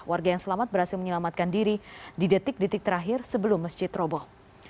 warga yang selamat berhasil menyelamatkan diri di detik detik terakhir sebelum masjid roboh